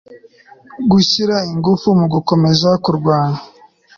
gushyira ingufu mu gukomeza kurwanya